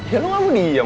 ya lu gak mau diem